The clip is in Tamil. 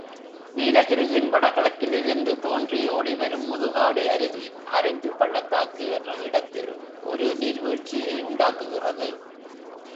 நீலகிரியின் வடகிழக்கிலிருந்து தோன்றி ஓடிவரும் முதுகாடு அருவி, ஆரஞ்சுப் பள்ளத்தாக்கு என்ற இடத்தில் ஒரு நீர்வீழ்ச்சியை உண்டாக்குகிறது.